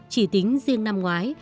chỉ tính riêng năm ngoái